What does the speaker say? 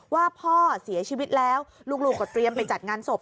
ว่าพ่อเสียชีวิตแล้วลูกก็เตรียมไปจัดงานศพ